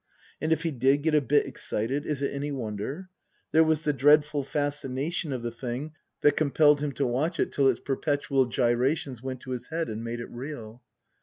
And if he did get a bit excited is it any wonder ? There was the dreadful fascination of the thing that compelled 200 Tasker Jevons him to watch it till its perpetual gyrations went to his head and made it reel.